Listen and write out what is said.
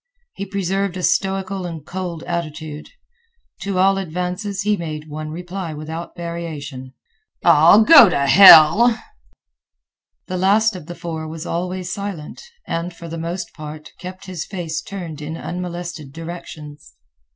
He preserved a stoical and cold attitude. To all advances he made one reply without variation, "Ah, go t' hell!" The last of the four was always silent and, for the most part, kept his face turned in unmolested directions.